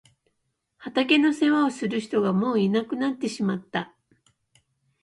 畑の世話をする人がもういなくなってしまった。